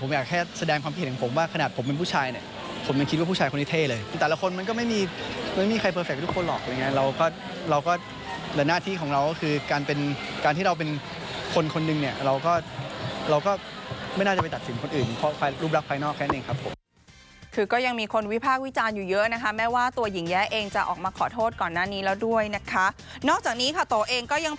ผมอยากแค่แสดงความคิดของผมว่าขนาดผมเป็นผู้ชายเนี่ย